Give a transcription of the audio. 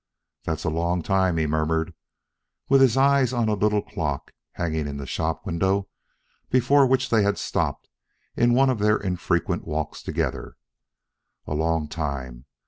"That's a long time," he murmured, with his eyes on a little clock hanging in the shop window before which they had stopped in one of their infrequent walks together. "A long time!